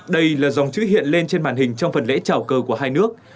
đây là dòng chữ hiện lên trên màn hình trong phần lễ trào cờ của hai nước